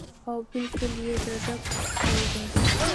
او بالکل ئې د ړق نه اوباسي -